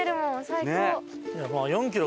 最高！